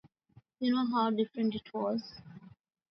You know how different it was?